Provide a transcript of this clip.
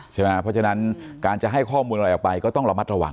เพราะฉะนั้นการจะให้ข้อมูลอะไรออกไปก็ต้องระมัดระวัง